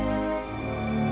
aku mau balik